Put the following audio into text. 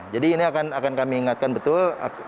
jadi ini akan kami ingatkan betul